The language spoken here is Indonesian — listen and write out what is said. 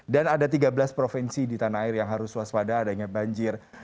dan ada tiga belas provinsi di tanah air yang harus waspada adanya banjir